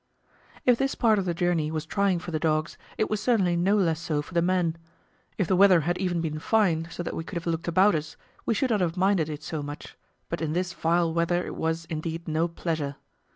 If this part of the journey was trying for the dogs, it was certainly no less so for the men. If the weather had even been fine, so that we could have looked about us, we should not have minded it so much, but in this vile weather it was, indeed, no pleasure.